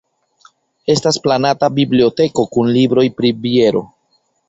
Estas planata biblioteko kun libroj pri biero.